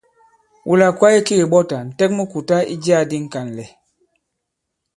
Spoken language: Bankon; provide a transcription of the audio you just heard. Wula kwaye ki kèɓɔtà, ǹtɛk mu kùta i jiyā di ŋ̀kànlɛ̀.